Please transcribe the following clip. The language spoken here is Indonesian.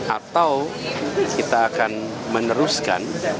atau kita akan meneruskan